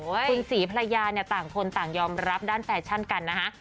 คุณศรีภรรยาเนี่ยต่างคนต่างยอมรับด้านแฟชั่นกันนะฮะ